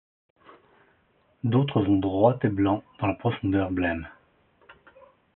D’autres vont droits et blancs dans la profondeur blême ;